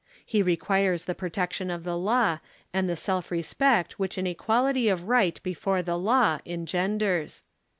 He requires the protection of the law and the self respect which an equality of right before the law engenders.